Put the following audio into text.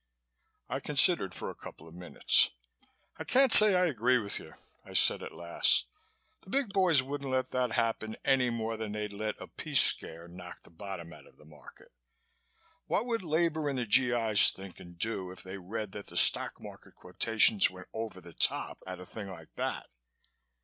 I considered for a couple of minutes. "I can't say I agree with you," I said at last. "The big boys wouldn't let that happen any more than they'd let a peace scare knock the bottom out of the market. What would labor and the G. I.'s think and do if they read that the Stock Market quotations went over the top at a thing like that."